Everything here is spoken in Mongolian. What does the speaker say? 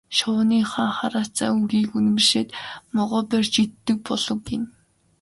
Шувууны хаан хараацайн үгийг үнэмшээд могой барьж иддэг болов гэнэ.